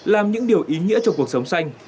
làm những điều ý nghĩa cho cuộc sống xanh